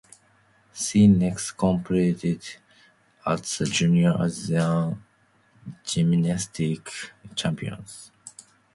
She next competed at the junior Asian Gymnastics Championships.